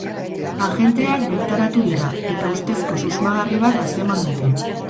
Agenteak bertaratu dira, eta ustezko susmagarri bat atzeman dute.